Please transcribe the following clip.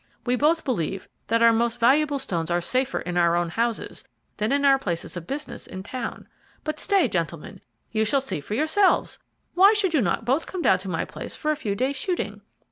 We both believe that our most valuable stones are safer in our own houses than in our places of business in town. But stay, gentlemen, you shall see for yourselves. Why should you not both come down to my place for a few days' shooting?